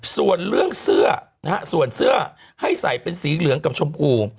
ส่วนเรื่องเสื้อนะฮะส่วนเสื้อให้ใส่เป็นสีเหลืองกับชมพู